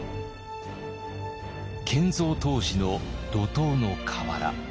建造当時の土塔の瓦。